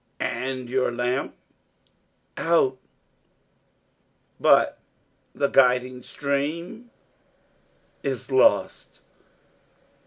.......... "And your lamp?" .......... "Out." .......... "But the guiding stream?" .......... "Is lost!"